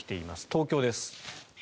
東京です。